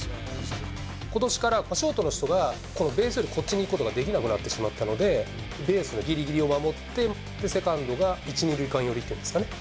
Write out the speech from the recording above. ことしからショートの人が、ベースよりこっちに行くことができなくなってしまったので、ベースのぎりぎりを守って、セカンドが１、２塁間寄りっていうんですかね、